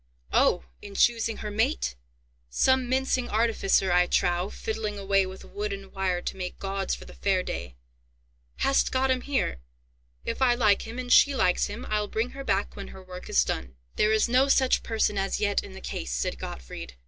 "Oh! in choosing her mate! Some mincing artificer, I trow, fiddling away with wood and wire to make gauds for the fair day! Hast got him here? If I like him, and she likes him, I'll bring her back when her work is done." "There is no such person as yet in the case," said Gottfried.